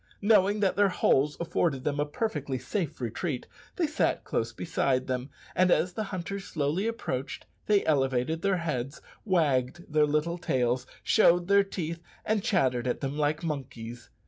Knowing that their holes afforded them a perfectly safe retreat, they sat close beside them; and as the hunters slowly approached, they elevated their heads, wagged their little tails, showed their teeth, and chattered at them like monkeys.